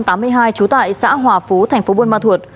trú tại xã hòa phú tp buôn ma thuột